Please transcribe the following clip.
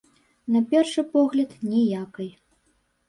На першы погляд, ніякай.